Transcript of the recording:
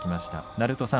鳴戸さん